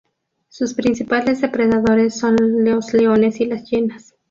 Sus principales depredadores son los leones y las hienas.